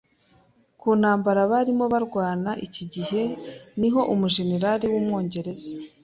kuntambara barimo barwana Iki gihe, niho umujeneral w’umwongereza